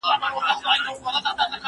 زه هره ورځ سبزېجات وخورم!